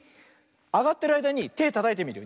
あがってるあいだにてたたいてみるよ。